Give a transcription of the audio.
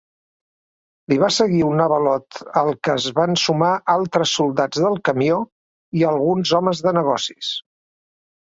Li va seguir un avalot al que es van sumar altres soldats del camió i alguns homes de negocis.